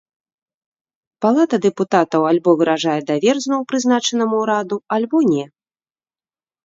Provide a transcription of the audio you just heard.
Палата дэпутатаў альбо выражае давер зноў прызначанаму ўраду, альбо не.